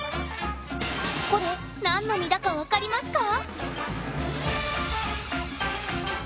これなんの実だか分かりますか？